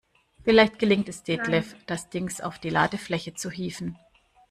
Vielleicht gelingt es Detlef, das Dings auf die Ladefläche zu hieven.